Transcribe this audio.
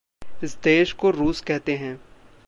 इस देश को रूस कहते हैं।